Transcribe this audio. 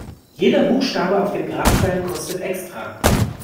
Jeder Buchstabe auf dem Grabstein kostet extra.